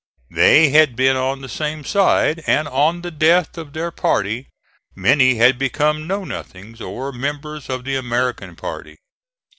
They had been on the same side, and, on the death of their party, many had become Know Nothings, or members of the American party.